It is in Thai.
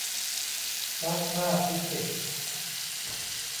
พลาสมาฟิสิกส์